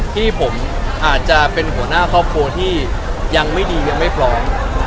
ที่ผมอาจจะเป็นหัวหน้าครอบครัวที่ยังไม่ดียังไม่พร้อม